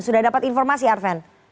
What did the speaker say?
sudah dapat informasi arven